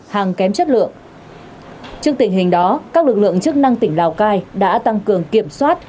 hàng kém chất lượng trước tình hình đó các lực lượng chức năng tỉnh lào cai đã tăng cường kiểm soát